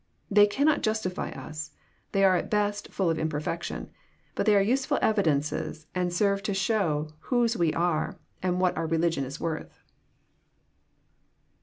They cannot justify us. They are at best flill of imperfection. But they are useful evidences, and serve to show whose we are, and what our religion is worth.